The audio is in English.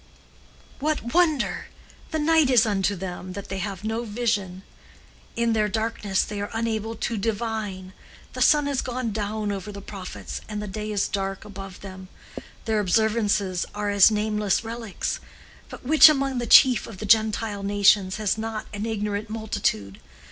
"What wonder? The night is unto them, that they have no vision; in their darkness they are unable to divine; the sun is gone down over the prophets, and the day is dark above them; their observances are as nameless relics. But which among the chief of the Gentile nations has not an ignorant multitude?